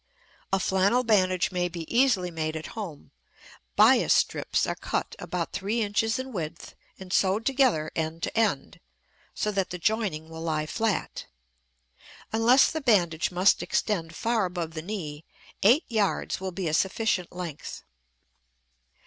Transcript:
A flannel bandage may be easily made at home. Bias strips are cut about three inches in width and sewed together end to end so that the joining will lie flat. Unless the bandage must extend far above the knee, eight yards will be a sufficient length.